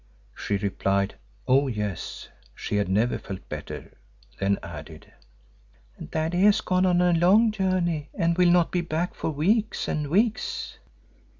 She replied, Oh, yes, she had never felt better, then added, "Daddy has gone on a long journey and will not be back for weeks and weeks."